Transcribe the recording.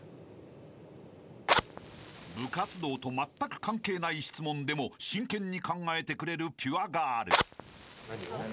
［部活動とまったく関係ない質問でも真剣に考えてくれるピュアガール］